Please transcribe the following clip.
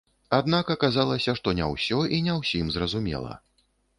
Аднак аказалася, што не ўсё і не ўсім зразумела.